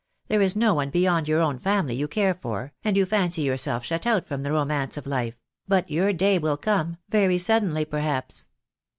There is no one beyond your own family you care for, and you fancy yourself shut out from the romance of life — but your day will come, very suddenly, perhaps.